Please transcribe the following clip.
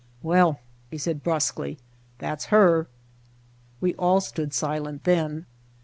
"Well," he said brusquely, "that's her!" We all stood silent then.